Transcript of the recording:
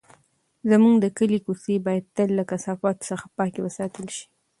زموږ د کلي کوڅې باید تل له کثافاتو څخه پاکې وساتل شي.